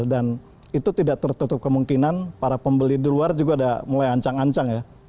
dan itu tidak tertutup kemungkinan para pembeli di luar juga mulai ancang ancang ya